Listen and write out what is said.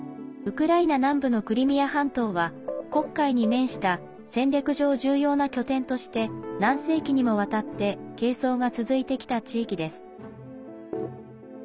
ウクライナ南部のクリミア半島は黒海に面した戦略上、重要な拠点として何世紀にもわたって係争が続いてきた地域です。